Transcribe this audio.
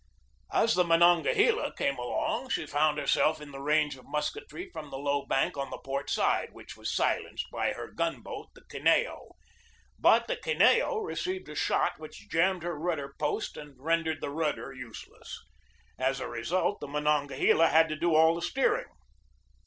As the Monongahela came along she found her self in the range of musketry from the low bank on the port side, which was silenced by her gun boat, the Kineo. But the Kineo received a shot which jammed her rudder post and rendered the rudder useless. As a result the Monongahela had to do all the steering.